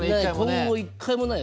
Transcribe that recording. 今後１回もないよ